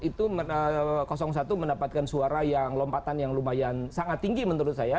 itu satu mendapatkan suara yang lompatan yang lumayan sangat tinggi menurut saya